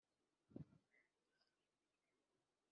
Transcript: ubatungisha amagara.